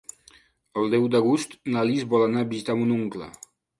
El deu d'agost na Lis vol anar a visitar mon oncle.